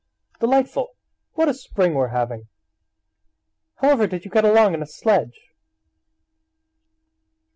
"Delightful! What a spring we're having! How ever did you get along in a sledge?"